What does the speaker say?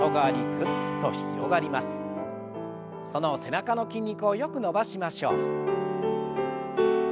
その背中の筋肉をよく伸ばしましょう。